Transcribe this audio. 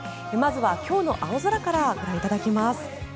まずは今日の青空からご覧いただきます。